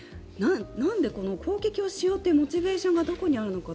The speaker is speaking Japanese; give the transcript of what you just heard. なんで攻撃をしようというモチベーションがどこにあるのか